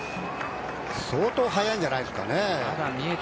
相当速いんじゃないでしょうか。